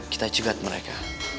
kita cegat mereka